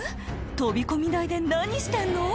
飛び込み台で何してんの？